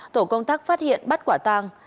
tổ công tác phát hiện bắt quả tàng